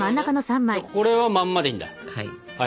じゃあこれはまんまでいいんだ。